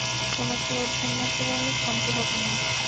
তোমাকে উদ্ধার না করে আমি ক্ষান্ত হবো না।